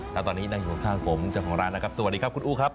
แล้วตอนนี้นั่งอยู่ข้างผมเจ้าของร้านนะครับสวัสดีครับคุณอู้ครับ